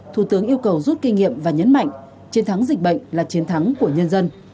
thủ tướng yêu cầu rút kinh nghiệm và nhấn mạnh chiến thắng dịch bệnh là chiến thắng của nhân dân